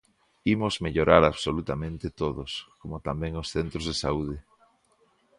Imos mellorar absolutamente todos, como tamén os centros de saúde.